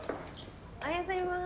おはようございます。